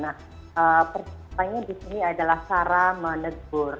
nah pertanyaannya di sini adalah cara menegur